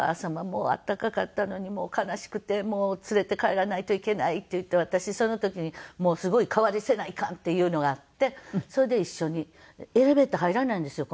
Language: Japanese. もう温かかったのに悲しくてもう連れて帰らないといけないっていって私その時にすごい代わりせないかんっていうのがあってそれで一緒にエレベーター入らないんですよ